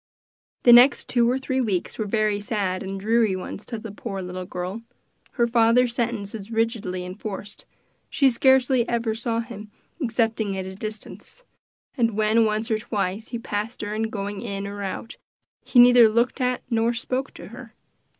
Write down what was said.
The next two or three weeks were very sad and dreary ones to the poor little girl. Her father's sentence was rigidly enforced; she scarcely ever saw him excepting at a distance, and when once or twice he passed her in going in and out, he neither looked at nor spoke to her.